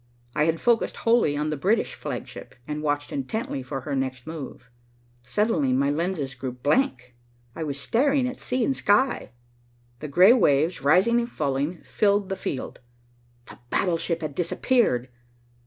I had focussed wholly on the British flagship, and watched intently for her next move. Suddenly my lenses grew blank, and I was staring at sea and sky. The gray waves, rising and falling, filled the field. The battleship had disappeared.